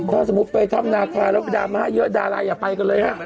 ถ้าเมื่อไปท่ำนาคาเราไปด่ามาเยอะดาลายาไปกันเลยครับ